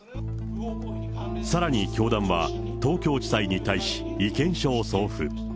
さらに教団は、東京地裁に対し、意見書を送付。